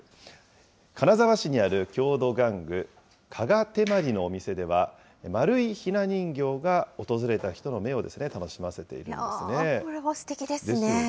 金沢市にある郷土玩具、加賀てまりのお店では、丸いひな人形が、訪れた人の目を楽しませているんですね。